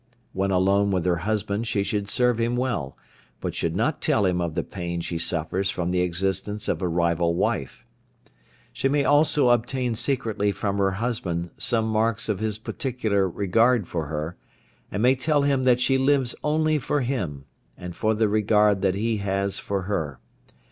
When alone with her husband she should serve him well, but should not tell him of the pain she suffers from the existence of a rival wife. She may also obtain secretly from her husband some marks of his particular regard for her, and may tell him that she lives only for him, and for the regard that he has for her.